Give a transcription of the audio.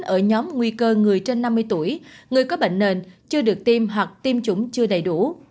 ở nhóm nguy cơ người trên năm mươi tuổi người có bệnh nền chưa được tiêm hoặc tiêm chủng chưa đầy đủ